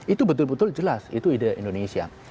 itu betul betul jelas itu ide indonesia